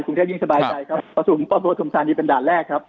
กรุงเทพยิ่งสบายใจครับประสุมประธุมธานีเป็นด่านแรกครับ